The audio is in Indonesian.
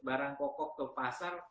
barang kokok ke pasar